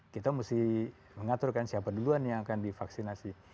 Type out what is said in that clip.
kita mesti mengaturkan siapa duluan yang akan divaksinasi